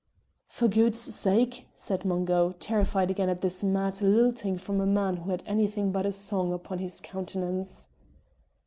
"For gude sake!" said Mungo, terrified again at this mad lilting from a man who had anything but song upon his countenance.